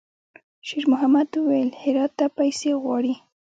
شېرمحمد وويل: «هرات ته پیسې غواړي.»